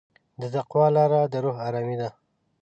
د تقوی لاره د روح ارامي ده.